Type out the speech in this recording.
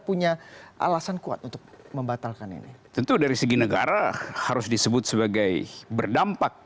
punya alasan kuat untuk membatalkan ini tentu dari segi negara harus disebut sebagai berdampak